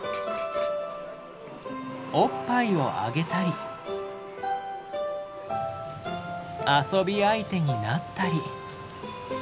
おっぱいをあげたり遊び相手になったり。